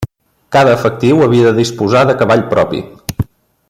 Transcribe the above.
Cada efectiu havia de disposar de cavall propi.